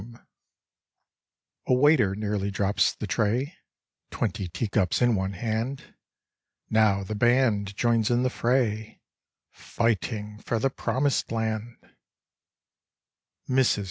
20 De Luxe. A waiter nearly drops the tray — Twenty tea cups in one hand. Now the band joins in the fray, Fighting for the Promised Land. Mrs.